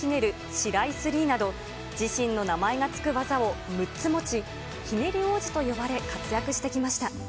シライ・スリーなど、自身の名前が付く技を６つ持ち、ひねり王子と呼ばれ、活躍してきました。